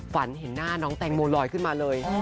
ฝันเห็นหน้าน้องแตงโมลอยขึ้นมาเลย